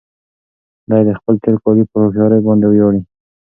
دی د خپل تېرکالي په هوښيارۍ باندې ویاړي.